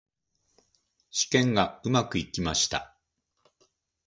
試験がうまくいきました。